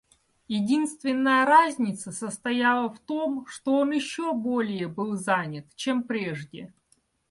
Единственная разница состояла в том, что он еще более был занят, чем прежде.